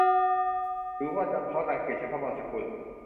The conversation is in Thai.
หรือว่าจำเพาะรังเกียจเฉพาะบางสกุล ?